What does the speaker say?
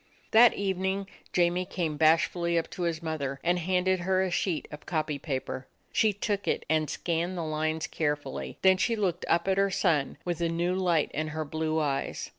That evening Jamie came bashfully up to his mother, and handed her a sheet of the copy paper. She took it and scanned the lines carefully; then she looked up at her son with a new light in her blue eyes.